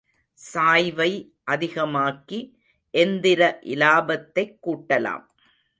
சாய்வை அதிகமாக்கி எந்திர இலாபத்தைக் கூட்டலாம்.